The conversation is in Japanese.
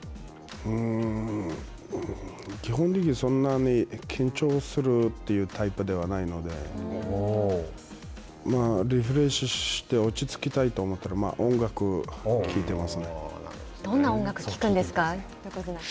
基本的にそんなに緊張するというタイプではないのでリフレッシュして落ち着きたいと思ったら音楽を聴いてますね。